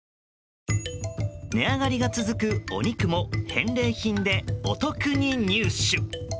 値上がりが続くお肉も返礼品でお得に入手。